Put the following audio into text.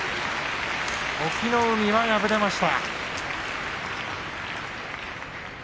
隠岐の海は敗れました。